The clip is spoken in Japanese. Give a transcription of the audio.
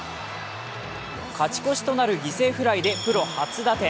勝ち越しとなる犠牲フライでプロ初打点。